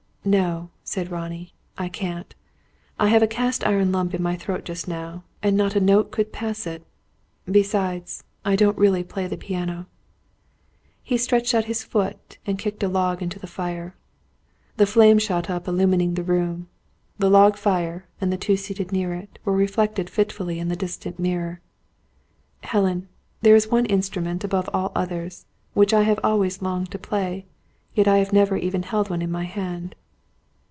"No," said Ronnie, "I can't. I have a cast iron lump in my throat just now, and not a note could pass it. Besides, I don't really play the piano." He stretched out his foot, and kicked a log into the fire. The flame shot up, illumining the room. The log fire, and the two seated near it, were reflected fitfully in the distant mirror. "Helen, there is one instrument, above all others, which I have always longed to play; yet I have never even held one in my hand."